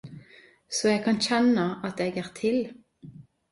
Så eg kan kjenna at eg er til.